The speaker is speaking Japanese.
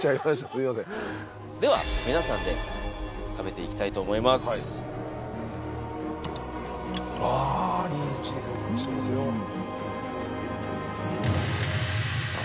すいませんでは皆さんで食べていきたいと思いますわあいいチーズの匂いしてますよさあ